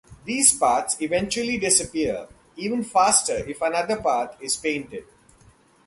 These paths eventually disappear, even faster if another path is painted.